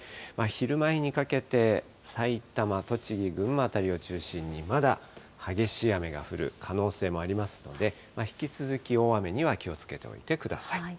昼前にかけて埼玉、栃木、群馬辺りを中心に、まだ激しい雨が降る可能性もありますので、引き続き大雨には気をつけておいてください。